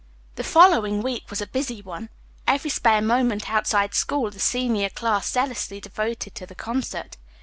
The following week was a busy one. Every spare moment outside school the senior class zealously devoted to the concert.